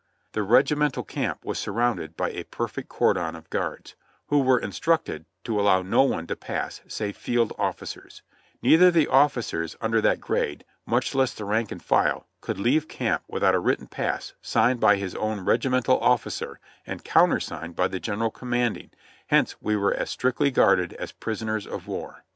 The regimental camp was surrounded by a perfect cordon of guards, who were instructed to allow no one to pass save field officers ; neither the officers under that grade, much less the rank and file, could leave camp without a written pass signed by his own regimental officer and countersigned by the general com manding, hence we were as strictly guarded as prisoners of war.